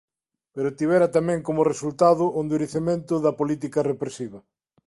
Pero tivera tamén como resultado o endurecemento da política represiva.